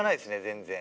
全然。